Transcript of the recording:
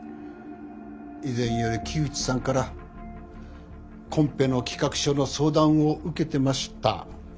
以前より木内さんからコンペの企画書の相談を受けてました。